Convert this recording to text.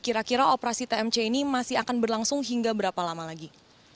kira kira operasi tmc ini masih akan berlangsung hingga berapa lama lagi